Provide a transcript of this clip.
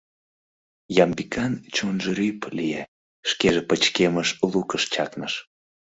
— Ямбикан чонжо рӱп лие, шкеже пычкемыш лукыш чакныш.